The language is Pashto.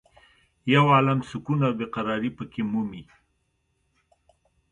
یو عالم سکون او بې قرارې په کې مومې.